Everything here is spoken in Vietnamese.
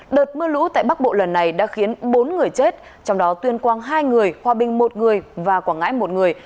đợt mưa lũ tại bắc bộ lần này đã khiến bốn người chết trong đó tuyên quang hai người hòa bình một người và quảng ngãi một người